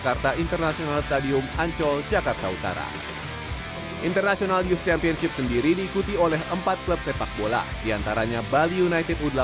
pertandingan yang bertujuan sebagai persahabatan ini juga dimaksudkan dengan kebaikan dalam pertandingan yang terjadi di atas kota